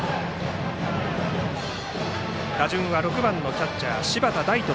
打順は６番キャッチャー柴田大翔。